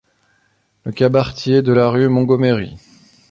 le cabaretier de la rue Montgomery.